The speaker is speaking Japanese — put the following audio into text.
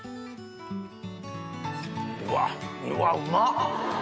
うわっうわうまっ！